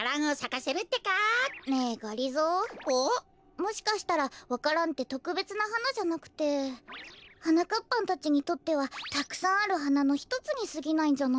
もしかしたらわか蘭ってとくべつなはなじゃなくてはなかっぱんたちにとってはたくさんあるはなのひとつにすぎないんじゃないかな。